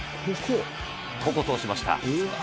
ここ通しました。